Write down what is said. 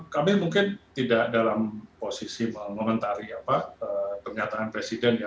kami mungkin tidak dalam posisi mengomentari pernyataan presiden ya